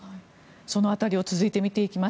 その辺りを続いて見ていきます。